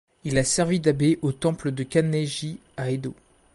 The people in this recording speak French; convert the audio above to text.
Il a servi d'abbé au temple de Kan'ei-ji à Edo.